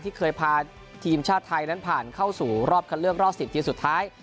ที่เคยพาทีมชาติไทยนั้นผ่านเข้าสู่รอบคันเลือกรอบ๑๐ทีมสุดท้าย